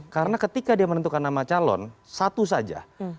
karena ketika dia menentukan nama calon satu saja